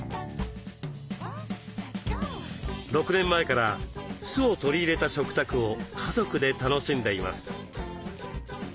６年前から酢を取り入れた食卓を家族で楽しんでいます。